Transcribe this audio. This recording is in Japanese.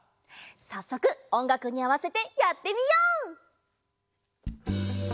さっそくおんがくにあわせてやってみよう！